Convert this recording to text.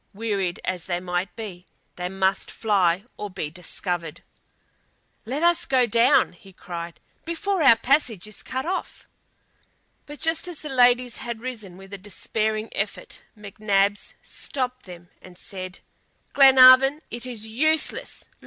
Wearied as they might be, they must fly or be discovered. "Let us go down!" cried he, "before our passage is cut off." But just as the ladies had risen with a despairing effort, McNabbs stopped them and said: "Glenarvan, it is useless.